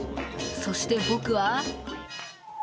そして僕は。